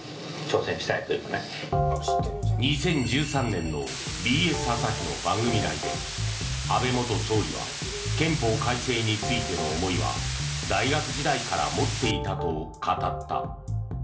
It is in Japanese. ２０１３年のＢＳ朝日の番組内で安倍元総理は憲法改正についての思いは大学時代から持っていたと語った。